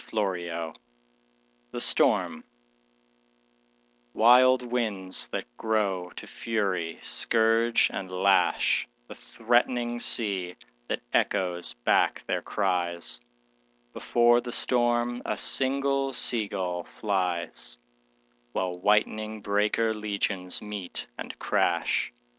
Cbe Storm ILD winds that grow to fury scourge and lash The threatening sea that echoes back their cries; Before the storm a single sea gull flies While whitening breaker legions meet and crash.